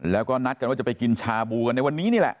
แล้วก็นัดกันว่าจะไปกินชาบูกันในวันนี้นี่แหละ